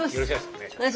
お願いします。